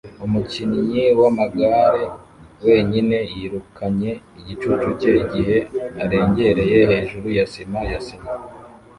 Umukinyi w'amagare wenyine yirukanye igicucu cye igihe arengereye hejuru ya sima ya sima